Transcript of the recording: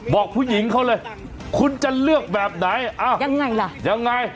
บอกผู้หญิงเขาเลยคุณจะเลือกแบบไหนอ้าวยังไงล่ะยังไง